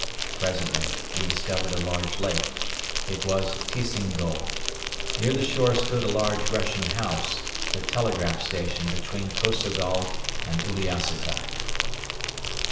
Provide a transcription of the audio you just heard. Presently we discovered a large lake. It was Tisingol. Near the shore stood a large Russian house, the telegraph station between Kosogol and Uliassutai.